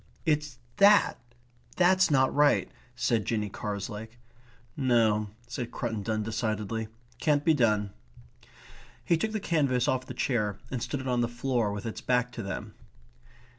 "It's THAT that's not right," said Jinny Carslake. "No," said Cruttendon decidedly. "Can't be done." He took the canvas off the chair and stood it on the floor with its back to them.